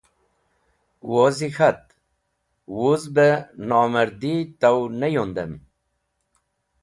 Wozi k̃hat: “Wuz beh nomardi taw neh yundem.”